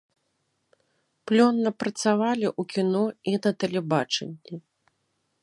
Плённа працавала ў кіно і на тэлебачанні.